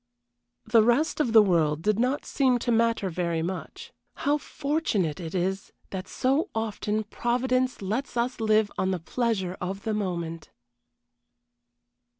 The rest of the world did not seem to matter very much. How fortunate it is that so often Providence lets us live on the pleasure of the moment!